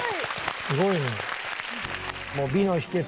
すごいね。